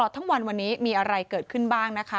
ทั้งวันวันนี้มีอะไรเกิดขึ้นบ้างนะคะ